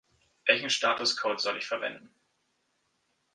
Welchen Statuscode soll ich verwenden?